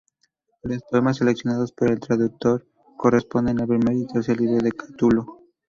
Los poemas seleccionados por el traductor corresponden al primer y tercer libro de Catulo.